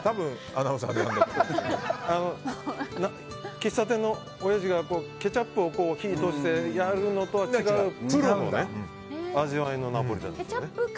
喫茶店のおやじがケチャップを火を通してやるのとは違うプロの味わいのナポリタンですよ。